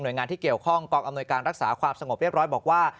โดยงานที่เกี่ยวข้องกองอำนวยการรักษาความสงบเรียบร้อยบอกว่า